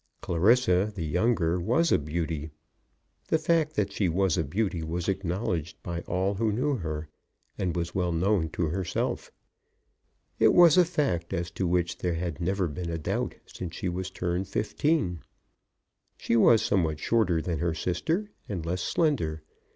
Clarissa, the younger, was a beauty. The fact that she was a beauty was acknowledged by all who knew her, and was well known to herself. It was a fact as to which there had never been a doubt since she was turned fifteen. She was somewhat shorter than her sister, and less slender.